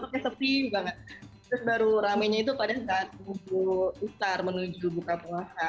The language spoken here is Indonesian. terus baru ramainya itu pada saat buku istar menuju buka puasa